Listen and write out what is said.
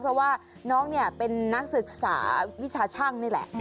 เพราะว่าน้องเนี่ยเป็นนักศึกษาวิชาช่างนี่แหละ